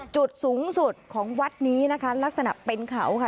จุดสูงสุดของวัดนี้นะคะลักษณะเป็นเขาค่ะ